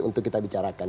untuk kita bicarakan